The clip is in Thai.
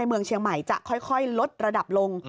เมืองเชียงใหม่จะค่อยลดระดับลง